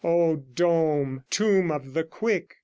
O dome, tomb of the quick!